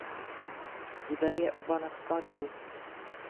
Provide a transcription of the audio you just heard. Zve je oba na svatbu.